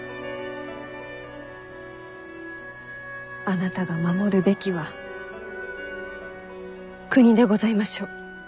あなたが守るべきは国でございましょう。